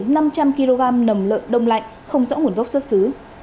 tổng lượng lượng lượng lượng năm trăm linh kg nầm lợi đông lạnh không rõ nguồn gốc xuất xứ